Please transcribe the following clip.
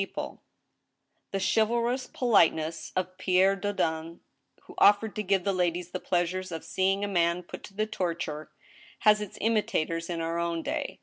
1 88 THE STEEL HAMMER, The chivalrous politeness of Pierre Daudin, who offered to give the ladies the pleasure of seeing a man put to the torture, has its imitators in our own day.